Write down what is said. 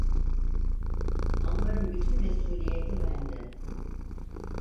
Ambarın bütün mesuliyeti bende…